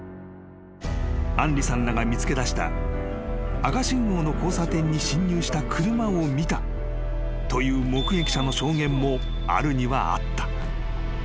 ［杏梨さんらが見つけだした赤信号の交差点に進入した車を見たという目撃者の証言もあるにはあった。